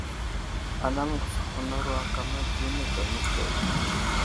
Ana məŋgutsaraho akama di nəgar məkuleɗ.